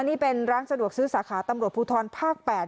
นี่เป็นร้านสะดวกซื้อสาขาตำรวจภูทรภาค๘